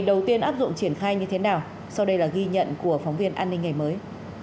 đầu tiên áp dụng triển khai như thế nào sau đây là ghi nhận của phóng viên an ninh ngày mới